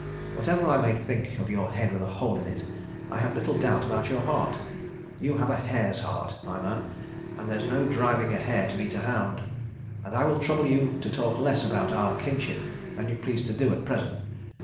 Whatever I may think of your head with a hole in it I have little doubt about your heart. You have a hare's heart, my man and there's no driving a hare to meet a hound. And I will trouble you to talk less about our kinship than you please to do at present.